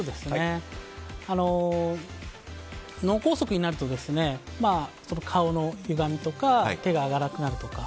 脳梗塞になると顔のゆがみとか手が上がらなくなるとか